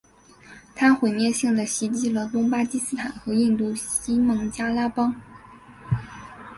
它毁灭性地袭击了东巴基斯坦和印度西孟加拉邦。